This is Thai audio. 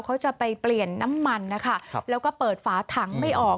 เขาจะไปเปลี่ยนน้ำมันนะคะแล้วก็เปิดฝาถังไม่ออก